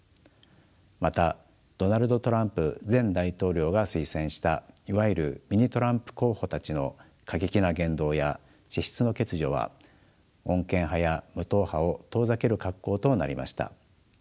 またドナルド・トランプ前大統領が推薦したいわゆる「ミニ・トランプ」候補たちの過激な言動や資質の欠如は穏健派や無党派を遠ざける格好となりました。